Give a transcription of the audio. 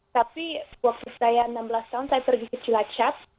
tapi waktu saya enam belas tahun saya pergi ke cilacap